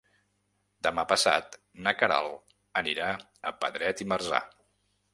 Demà passat na Queralt anirà a Pedret i Marzà.